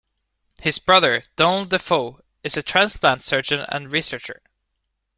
His brother, Donald Dafoe, is a transplant surgeon and researcher.